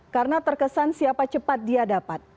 karena terkesan siapa cepat dia dapat